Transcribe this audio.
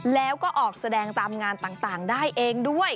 แล้วก็ออกแสดงตามงานต่างได้เองด้วย